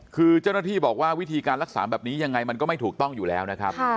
คือเจ้าหน้าที่บอกว่าวิธีการรักษาแบบนี้ยังไงมันก็ไม่ถูกต้องอยู่แล้วนะครับ